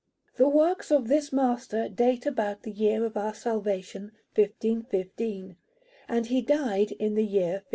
The works of this master date about the year of our salvation, 1515, and he died in the year 1522.